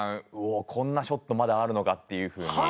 「うおっこんなショットまだあるのか」っていうふうに。